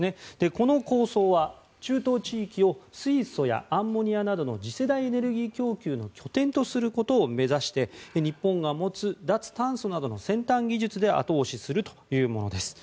この構想は中東地域を水素やアンモニアなどの次世代エネルギー供給の拠点とすることを目指して日本が持つ脱炭素などの先端技術で後押しするというものです。